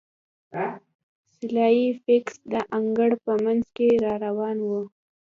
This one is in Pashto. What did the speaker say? سلای فاکس د انګړ په مینځ کې را روان و